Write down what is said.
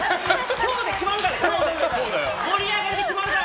今日で決まるから！